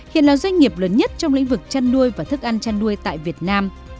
hiện là doanh nghiệp lớn nhất trong lĩnh vực chăn nuôi và thức ăn chăn nuôi tại việt nam